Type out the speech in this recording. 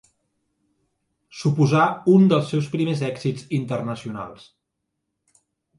Suposà un dels seus primers èxits internacionals.